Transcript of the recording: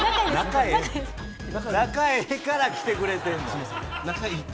仲ええから来てくれてんの。